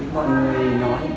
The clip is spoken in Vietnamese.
mọi người nói